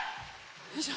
よいしょ。